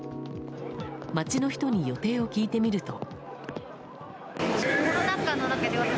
街の人に予定を聞いてみると。